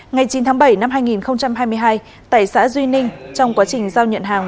ngày chín tháng bảy năm hai nghìn hai mươi hai tại xã duy ninh trong quá trình giao nhận hàng